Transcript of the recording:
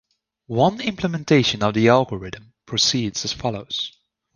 One implementation of the algorithm proceeds as follows.